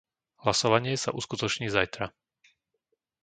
Hlasovanie sa uskutoční zajtra.